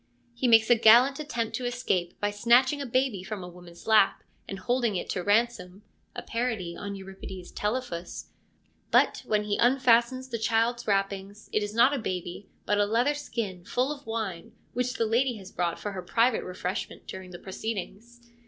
He makes a gallant attempt to escape by snatching a baby from a woman's lap, and holding it to ransom (a parody on Euripides' Telephus) ; but, when he unfastens the child's wrappings, it is not a baby, but a leather skin, full of wine, which the lady has brought for her private refreshment during the proceedings.